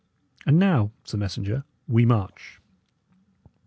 And now, sir messenger, we march."